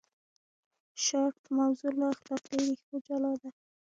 شارپ موضوع له اخلاقي ریښو جلا کړه.